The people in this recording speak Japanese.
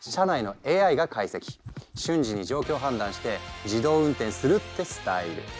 瞬時に状況判断して自動運転するってスタイル。